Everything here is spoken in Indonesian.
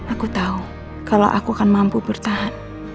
aku tahu kalau aku akan mampu bertahan